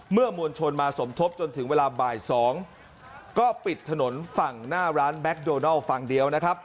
มวลชนมาสมทบจนถึงเวลาบ่าย๒ก็ปิดถนนฝั่งหน้าร้านแบ็คโดนัลฝั่งเดียวนะครับ